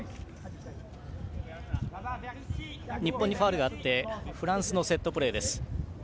日本にファウルがあってフランスのセットプレー。